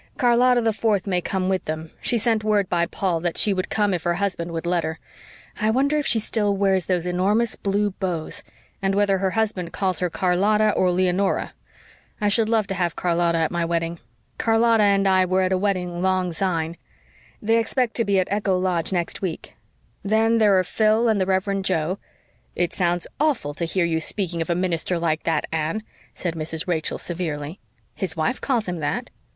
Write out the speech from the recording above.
"Charlotta the Fourth may come with them. She sent word by Paul that she would come if her husband would let her. I wonder if she still wears those enormous blue bows, and whether her husband calls her Charlotta or Leonora. I should love to have Charlotta at my wedding. Charlotta and I were at a wedding long syne. They expect to be at Echo Lodge next week. Then there are Phil and the Reverend Jo " "It sounds awful to hear you speaking of a minister like that, Anne," said Mrs. Rachel severely. "His wife calls him that."